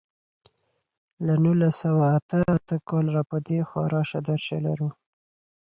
له نولس سوه اته اته کال را په دېخوا راشه درشه لرو.